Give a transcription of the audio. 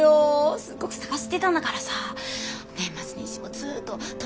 すっごく探してたんだからさ年末年始もずっと。